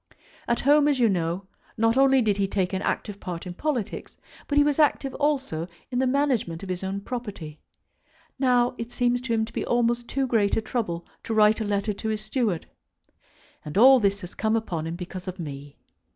At home, as you know, not only did he take an active part in politics, but he was active also in the management of his own property. Now it seems to him to be almost too great a trouble to write a letter to his steward; and all this has come upon him because of me.